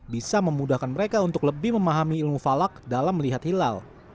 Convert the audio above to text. bisa memudahkan mereka untuk lebih memahami ilmu falak dalam melihat hilal